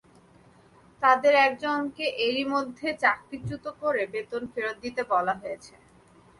তাঁদের একজনকে এরই মধ্যে চাকরিচ্যুত করে বেতনের ফেরত দিতে বলা হয়েছে।